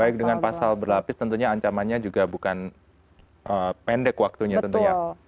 baik dengan pasal berlapis tentunya ancamannya juga bukan pendek waktunya tentunya